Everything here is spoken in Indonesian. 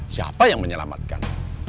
siapa yang menyelamatkan